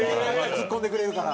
ツッコんでくれるから。